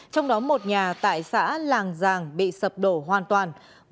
trong đó một nhà tại xã làng giàng bị sập đổ hoàn toàn